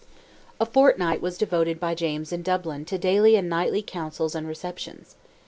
A fortnight was devoted by James in Dublin to daily and nightly councils and receptions.